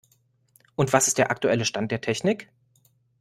Und was ist der aktuelle Stand der Technik.